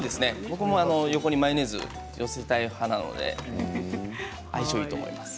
僕も横にマヨネーズよせたい派なので相性いいと思います。